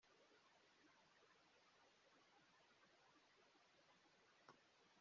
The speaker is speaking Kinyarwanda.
Ikigo cy’imisoro ntikigaragaza imibare y’ingano y’imodoka za automatic ugereranije n’iza manuel